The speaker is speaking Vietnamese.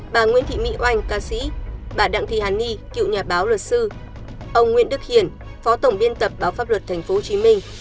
bà nguyễn thị mỹ oanh ca sĩ bà đặng thị hàn ni cựu nhà báo luật sư ông nguyễn đức hiển phó tổng biên tập báo pháp luật tp hcm